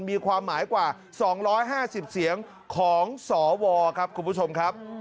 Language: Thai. มีความหมายกว่า๒๕๐เสียงของสวครับคุณผู้ชมครับ